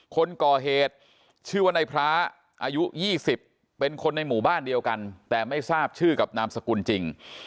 คนก่อเหตุชื่อว่าในพระอายุ๒๐เป็นคนในหมู่บ้านเดียวกันแต่ไม่ทราบชื่อกับนามสกุลจริง